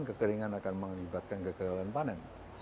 kekeringan akan mengibatkan kekeringan panen